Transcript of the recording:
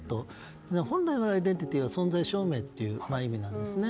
本来のアイデンティティーは存在証明という意味なんですね。